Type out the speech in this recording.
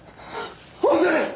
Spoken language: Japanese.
本当です！